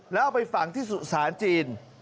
แล้วเอาไปฝังที่สุสานจีน